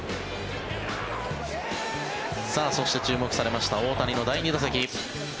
そして、注目されました大谷の第２打席。